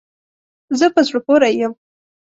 زه په زړه پوری یم